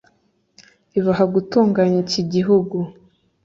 Ibaha gutunganya iki gihugu,